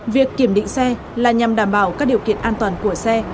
việc kiểm định xe là nhằm đảm bảo các điều kiện an toàn của xe